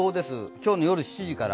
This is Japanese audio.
今日の夜７時から。